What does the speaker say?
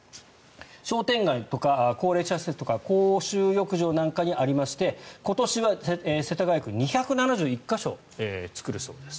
商店街とか高齢者施設とか公衆浴場なんかにありまして今年は世田谷区２７１か所作るそうです。